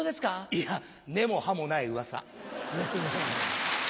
いや根も葉もないうわさ。